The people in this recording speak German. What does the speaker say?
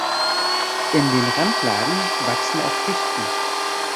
In den Randlagen wachsen auch Fichten.